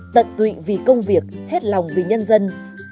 tận tụy vì công việc hết lòng vì nhân dân